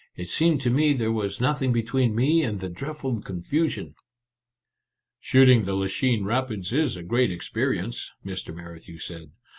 It seemed to me there was nothing between me and the dreadful con fusion." " Shooting the Lachine Rapids is a great experience," Mr. Merrithew said.